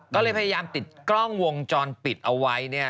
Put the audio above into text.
ก็เลยพยายามติดกล้องวงจรปิดเอาไว้เนี่ย